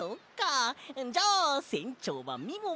じゃあせんちょうはみももってことで。